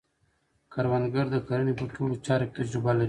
کروندګر د کرنې په ټولو چارو کې تجربه لري